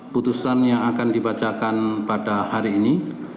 putusan yang akan dibacakan pada hari ini